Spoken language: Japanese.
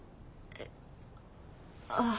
えっああ。